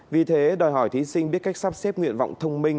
vì thế đòi hỏi thí sinh biết cách sắp xếp nguyện vọng thông minh